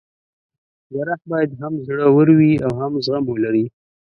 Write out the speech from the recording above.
جراح باید هم زړه ور وي او هم زغم ولري.